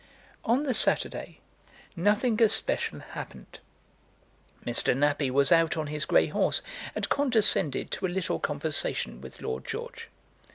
On the Saturday nothing especial happened. Mr. Nappie was out on his grey horse, and condescended to a little conversation with Lord George.